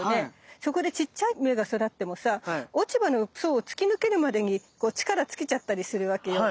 そこでちっちゃい芽が育ってもさ落ち葉の層を突き抜けるまでに力尽きちゃったりするわけよ。